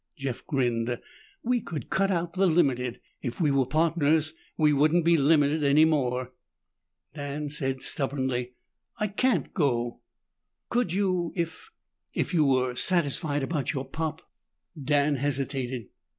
Jeff grinned. "We could cut out the Ltd. If we were partners, we wouldn't be limited any more." Dan said stubbornly, "I can't go." "Could you if if you were satisfied about your pop?" Dan hesitated.